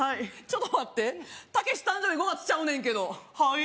ちょっと待ってはいたけし誕生日５月ちゃうねんけどはい？